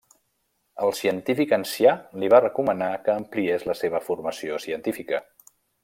El científic ancià li va recomanar que ampliés la seva formació científica.